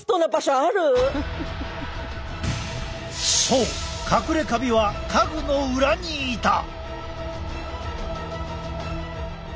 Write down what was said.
そうかくれカビは家具の裏にいた。